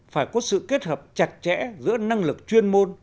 phải có sự kết hợp chặt chẽ giữa năng lực chuyên môn